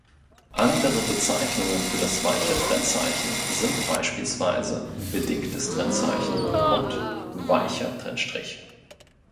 Andere Bezeichnungen für das weiche Trennzeichen sind beispielsweise "bedingtes Trennzeichen" und "weicher Trennstrich".